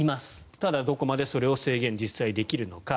ただ、どこまでそれを制限実際できるのか。